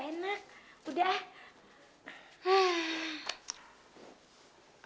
eh kamu nanti dimarahin sama nontalita loh